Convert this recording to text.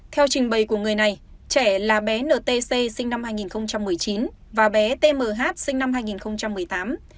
theo trình bày của người này trẻ là bé n t c sinh năm hai nghìn một mươi chín và bé t m h sinh năm hai nghìn một mươi tám